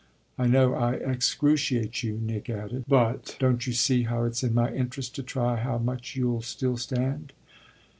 I know I excruciate you," Nick added, "but don't you see how it's in my interest to try how much you'll still stand?"